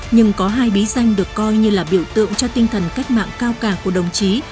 nhưng có hai bí danh được coi như là biểu tượng cho tinh thần cách mạng cao cả của đồng chí